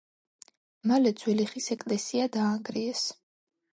მალე ძველი ხის ეკლესია დაანგრიეს.